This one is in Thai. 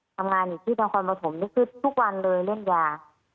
ทำงานอยู่ที่นครปฐมนี่คือทุกวันเลยเล่นยา